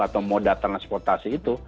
atau moda transportasi itu